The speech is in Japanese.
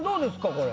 これ。